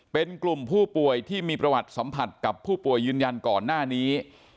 เป็นกลุ่มผู้ป่วยที่มีประวัติสัมผัสกับผู้ป่วยยืนยันก่อนหน้านี้